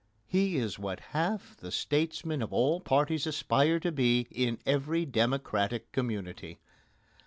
He is what half the statesmen of all parties aspire to be in every democratic community.